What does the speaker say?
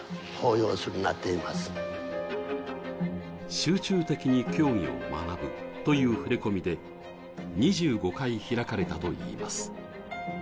集中的に教義を学ぶという触れ込みで２５回開かれたといいます。